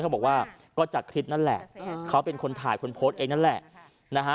เขาบอกว่าก็จากคลิปนั่นแหละเขาเป็นคนถ่ายคนโพสต์เองนั่นแหละนะฮะ